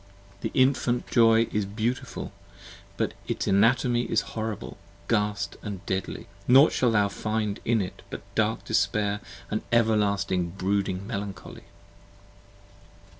The Infant Joy is beautiful, but its anatomy Horrible, ghast & deadly: nought shalt thou find in it But dark despair & everlasting brooding melancholy!